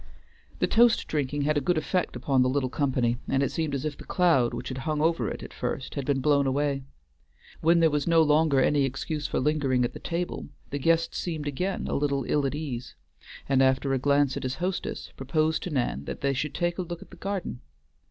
The toast drinking had a good effect upon the little company, and it seemed as if the cloud which had hung over it at first had been blown away. When there was no longer any excuse for lingering at the table, the guest seemed again a little ill at ease, and after a glance at his hostess, proposed to Nan that they should take a look at the garden.